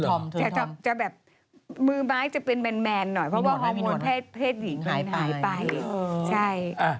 เพราะว่าฮอร์โมนเพศหายไป